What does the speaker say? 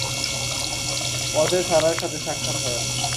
পথে সারাহর সাথে সাক্ষাৎ হয়।